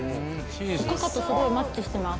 おかかとすごいマッチしてます。